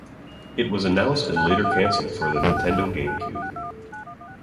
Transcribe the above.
It was announced and later canceled for the Nintendo GameCube.